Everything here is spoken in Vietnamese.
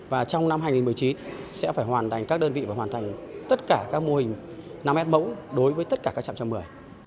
và trong năm hai nghìn một mươi chín sẽ phải hoàn thành các đơn vị và hoàn thành tất cả các mô hình năm s mẫu đối với tất cả các trạm chăm mười